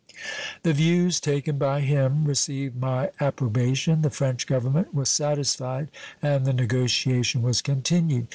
The views taken by him received my approbation, the French Government was satisfied, and the negotiation was continued.